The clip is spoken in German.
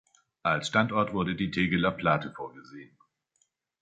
Als Standort wurde die Tegeler Plate vorgesehen.